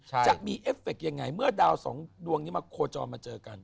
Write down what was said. จะมีเอฟเฟคยังไงเมื่อดาวสองดวงนี้มาโคจรมาเจอกัน